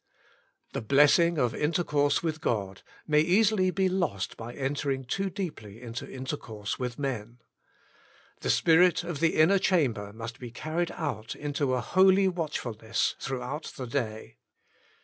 The blessing of intercourse with God may easily be lost by entering too deeply into intercourse with men. The spirit of the inner chamber must be carried out into a holy watchfulness throughout the day.